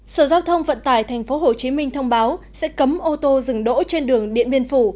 sở giao thông vận tải tp hcm thông báo sẽ cấm ô tô dừng đỗ trên đường điện biên phủ